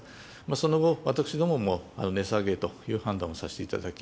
その後、私どもも値下げという判断をさせていただき、